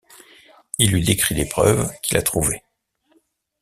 Il lui décrit les preuves qu'il a trouvées.